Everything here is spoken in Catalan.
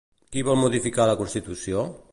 Qui vol modificar la Constitució?